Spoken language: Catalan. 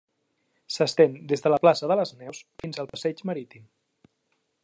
S'estén des de la plaça de les Neus fins al passeig Marítim.